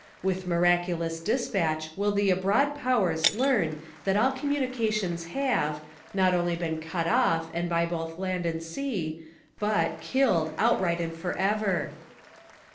With miraculous despatch will the abroad powers learn that all communications have, not only been cut off by both land and sea, but, killed outright and forever.